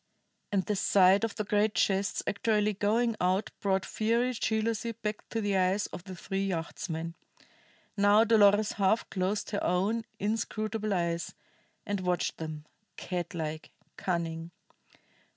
And the sight of the great chests actually going out brought fiery jealousy back to the eyes of the three yachtsmen. Now Dolores half closed her own inscrutable eyes, and watched them, catlike, cunning.